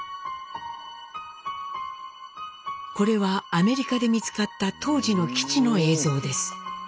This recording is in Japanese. これはアメリカで見つかった当時の基地の映像です。